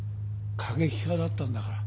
過激派だったんだから。